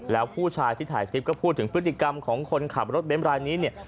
แล้วผู้ชายที่ถ่ายคลิปก็พูดถึงพฤติกรรมของคนขับรถเบนท์รายนี้เนี่ย